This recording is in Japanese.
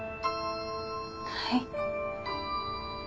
はい。